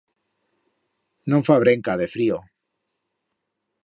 No'n fa brenca, de frío.